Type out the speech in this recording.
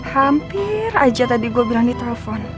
hampir aja tadi gua bilang di telpon